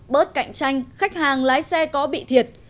bớt cạnh tranh khách hàng lái xe có bị thiệt